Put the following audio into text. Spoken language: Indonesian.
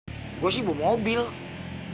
tapi anak anak udah banyak yang ikutin mobil gua